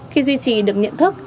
khi duy trì được nhận thức